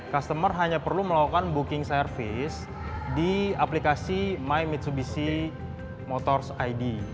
customer hanya perlu melakukan booking service di aplikasi my mitsubishi motors id